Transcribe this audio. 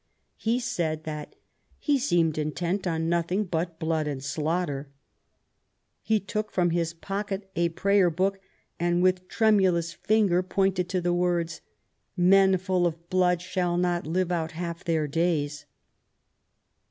He said that "he seemed intent on nothing but blood and slaughter *\ He took from his pocket a Prayer Book, and with tremulous finger pointed to the words :Men full of blood shall not live out half their days